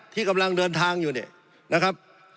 ที่กำลังเดินทางอยู่เนี่ยนะครับ